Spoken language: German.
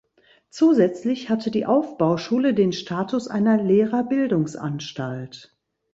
Zusätzlich hatte die Aufbauschule den Status einer Lehrerbildungsanstalt.